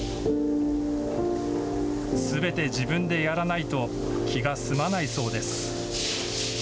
すべて自分でやらないと気が済まないそうです。